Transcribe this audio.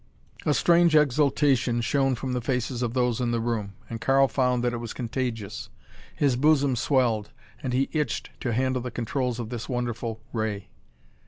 A strange exaltation shone from the faces of those in the room, and Karl found that it was contagious. His bosom swelled and he itched to handle the controls of this wonderful ray.